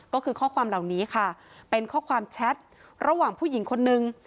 ก็คือข้อความเหล่านี้ค่ะเป็นข้อความแชทระหว่างผู้หญิงคนนึง